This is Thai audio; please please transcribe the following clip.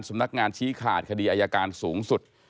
สำนักงานชี้ขาดคดีอายการสูงสุด